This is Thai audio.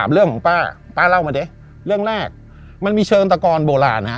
เรื่องของป้าป้าเล่ามาดิเรื่องแรกมันมีเชิงตะกอนโบราณนะฮะ